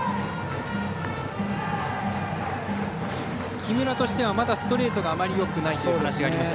木村としては、まだストレートがあまりよくないという話がありました。